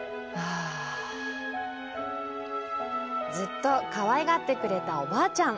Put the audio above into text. ずっとかわいがってくれたおばあちゃん。